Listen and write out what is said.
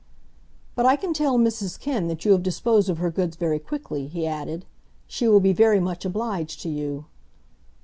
"But I can tell Mrs Kenn that you have disposed of her goods very quickly," he added; "she will be very much obliged to you."